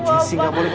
jassi gak boleh